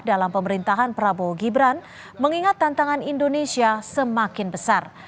dalam pemerintahan prabowo gibran mengingat tantangan indonesia semakin besar